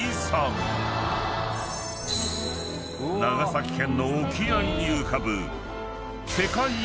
［長崎県の沖合に浮かぶ］